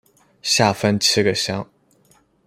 下分七个乡。